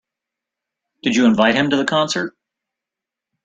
Did you invite him to the concert?